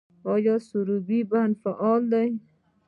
آیا د سروبي بند فعال دی؟